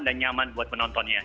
dan nyaman buat penontonnya